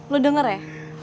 lu denger ya